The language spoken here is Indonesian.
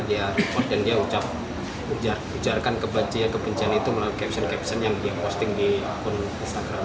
dia report dan dia ucapkan kebencian itu melalui caption caption yang dia posting di akun instagram